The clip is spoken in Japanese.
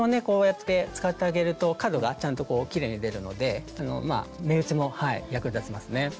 こうやって使ってあげると角がちゃんときれいに出るので目打ちも役に立ちますね。